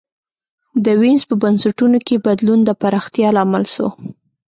د وینز په بنسټونو کي بدلون د پراختیا لامل سو.